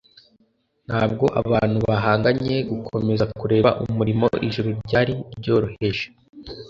Ntabwo abantu bahangaye gukomeza kureba umuriro Ijuru ryari ryohereje